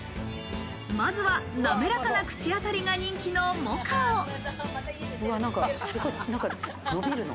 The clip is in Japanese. まずは、なめらかな口当たりが人気のモカを。